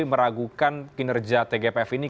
meragukan kinerja tgpf ini